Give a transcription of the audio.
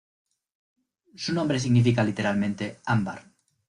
Su nombre significa literalmente "ámbar".